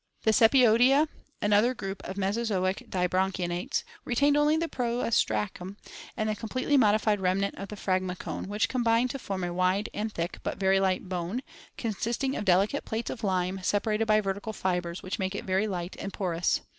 The Sepioidea, another group of Mesozoic dibranchiates, retained only the proostracum and the completely modified remnant of the phragmacone, which combined to form a wide and thick but very light "bone," consisting of deli cate plates of lime separated by vertical fibers which make it very light and porous.